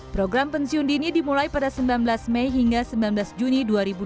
program pensiun dini dimulai pada sembilan belas mei hingga sembilan belas juni dua ribu dua puluh